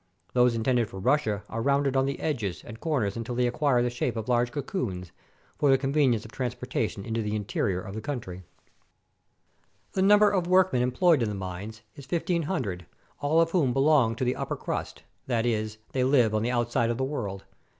Those intended for Russia are rounded on the edges and cor ners until they acquire the shape of large cocoons, for the convenience of transportation into the interior of the country. 373 AUSTRIA HUNGARY The number of workmen employed in the mines is 1500, all of whom belong to the "upper crust" — that is, they live on the outside of the world.